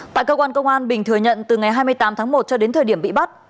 tại cơ quan công an bình thừa nhận từ ngày hai mươi tám tháng một cho đến thời điểm bị bắt